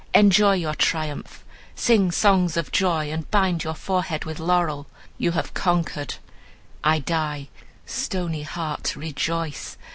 Enjoy your triumph! Sing songs of joy, and bind your forehead with laurel, you have conquered! I die; stony heart, rejoice!